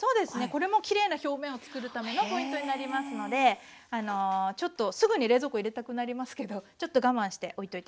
これもきれいな表面を作るためのポイントになりますのであのちょっとすぐに冷蔵庫入れたくなりますけどちょっと我慢しておいといて下さい。